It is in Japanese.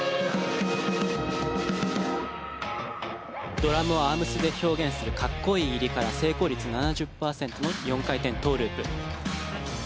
ドラムをアームスで表現するかっこいい入りから成功率７０％の４回転トウループ。